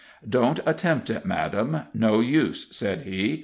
"Don't attempt it, madame no use," said he.